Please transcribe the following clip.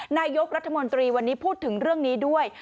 นายกรัฐมนตรีวันนี้พูดถึงเรื่องนี้ด้วย